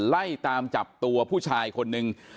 ไล่ตามจับตัวผู้ชายคนนึง